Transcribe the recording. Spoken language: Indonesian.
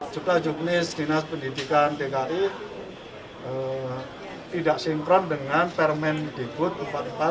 juta juknis dinas pendidikan dki tidak sinkron dengan permen digut empat puluh empat tahun dua ribu sembilan belas